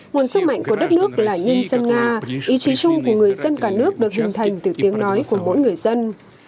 nguồn sức mạnh của đất nước là nhân dân nga ý chí chung của người dân cả nước được hình thành từ tiếng nói của mỗi người dân